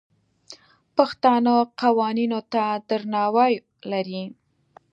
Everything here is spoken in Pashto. پښتانه قوانینو ته درناوی لري.